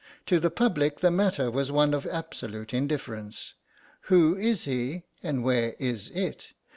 To the public the matter was one of absolute indifference; "who is he and where is it?"